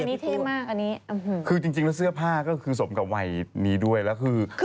อันนี้เท่มากอันนี้คือจริงแล้วเสื้อผ้าก็คือสมกับวัยนี้ด้วยแล้วคือ